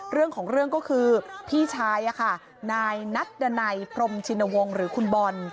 เรื่องของเรื่องก็คือพี่ชายนายนัดดันัยพรมชินวงศ์หรือคุณบอล